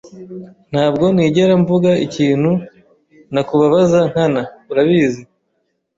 Ntabwo nigera mvuga ikintu nakubabaza nkana, urabizi.